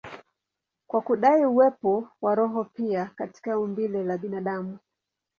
kwa kudai uwepo wa roho pia katika umbile la binadamu.